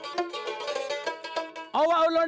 pembawa dari desa soal adat itu